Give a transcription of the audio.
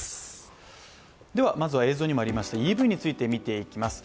まずは、映像にありましたＥＶについて見ていきます。